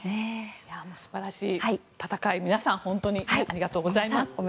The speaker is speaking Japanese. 素晴らしい戦い皆さん、本当にありがとうございます。